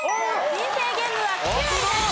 人生ゲームは９位です。